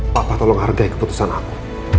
papa tolong hargai keputusan aku